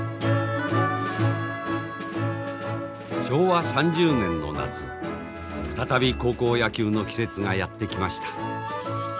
昭和３０年の夏再び高校野球の季節がやって来ました。